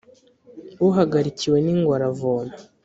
Uhagarikiwe n’ingwe aravoma.